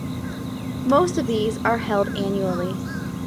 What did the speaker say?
Most of these are held annually.